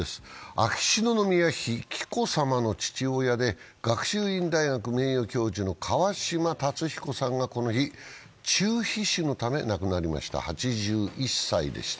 秋篠宮妃・紀子さまの父親で学習院大学名誉教授の川嶋辰彦さんがこの日、中皮腫のため亡くなりました。